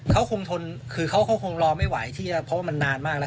เขาคงทนคือเขาคงรอไม่ไหวที่เพราะว่ามันนานมากแล้ว